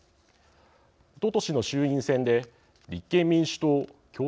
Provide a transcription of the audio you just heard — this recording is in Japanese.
おととしの衆院選で立憲民主党共産党国民民主党